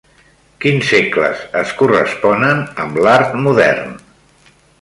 Quins segles es corresponen amb l'Art Modern?